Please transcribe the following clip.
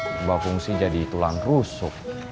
dibawa fungsi jadi tulang rusuk